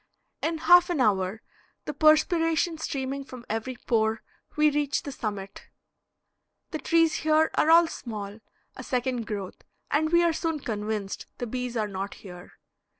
In half an hour, the perspiration streaming from every pore, we reach the summit. The trees here are all small, a second growth, and we are soon convinced the bees are not here.